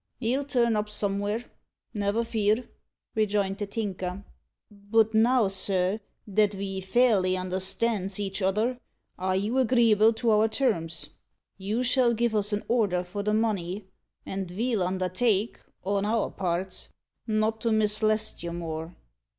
"He'll turn up somewhere never fear," rejoined the Tinker. "But now, sir, that ve fairly understands each other, are you agreeable to our terms? You shall give us an order for the money, and ve'll undertake, on our parts, not to mislest you more."